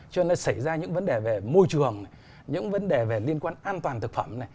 cho nên là xảy ra những vấn đề về môi trường những vấn đề liên quan an toàn thực phẩm